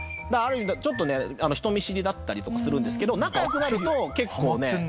ちょっとね人見知りだったりとかするんですけど仲良くなると結構ね。